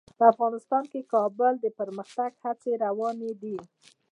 په افغانستان کې د کابل د پرمختګ هڅې روانې دي.